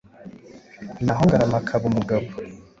naho Ngarama akaba umugabo